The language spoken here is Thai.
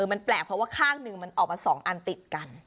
มันแปลกเพราะว่าข้างหนึ่งมันออกมา๒อันติดกัน